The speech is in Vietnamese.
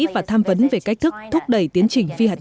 và tham vấn về cách thức thúc đẩy tiến trình phi hạt nhân